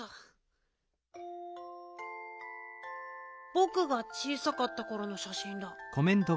ぼくが小さかったころのしゃしんだ。